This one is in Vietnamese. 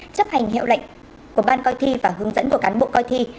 chấp hành hiệu lệnh của ban coi thi và hướng dẫn của cán bộ coi thi